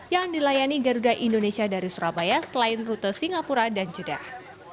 yang dilayani garuda indonesia dari surabaya selain rute singapura dan jeddah